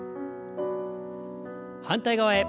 反対側へ。